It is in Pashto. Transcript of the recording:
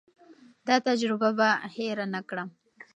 دا تجربه به هېر نه کړم.